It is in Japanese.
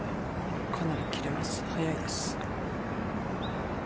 かなり切れます、早いです。